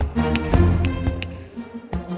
isi yang bener semua